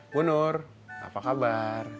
bu nur apa kabar